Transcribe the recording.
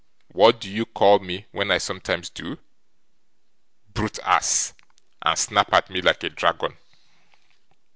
What do you call me when I sometimes do? "Brute, ass!" and snap at me like a dragon.